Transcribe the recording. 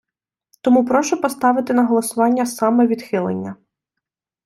Тому прошу поставити на голосування саме відхилення.